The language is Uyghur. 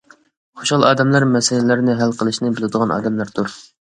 خۇشال ئادەملەر مەسىلىلەرنى ھەل قىلىشنى بىلىدىغان ئادەملەردۇر.